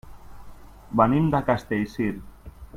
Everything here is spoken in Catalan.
Venim de Castellcir.